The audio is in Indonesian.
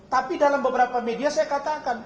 tapi dalam beberapa media saya katakan